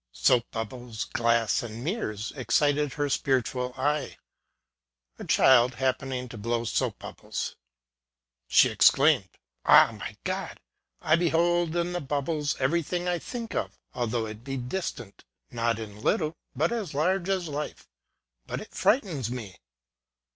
Soap bubbles, glass, and mirrors, excited her spiritual eye. A child hap pening to blow soap bubbles : She exclaimed, '^ Ah ! my God ! I behold in the bubbles every thing I think of, although it be distant ŌĆö not in little, but as large as life ŌĆö ^but it frightens me."